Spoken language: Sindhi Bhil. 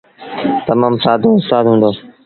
تمآم سآدو اُستآد هُݩدو۔